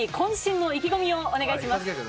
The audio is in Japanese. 最後に渾身の意気込みをお願いします。